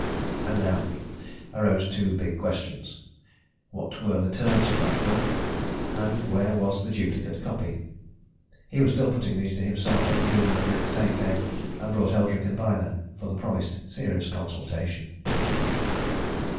And now arose two big questions. What were the terms of that will? And where was the duplicate copy? He was still putting these to himself when noon of the next day came and brought Eldrick and Byner for the promised serious consultation.